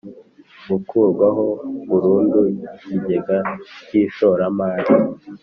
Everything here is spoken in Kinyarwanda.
Gukurwaho burundu ikigega cy ishoramari